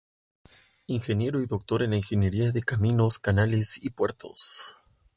Ingeniero y Doctor en la Ingeniería de Caminos, Canales y Puertos.